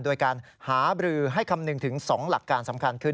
โดยการหาบรือให้คำนึงถึง๒หลักการสำคัญคือ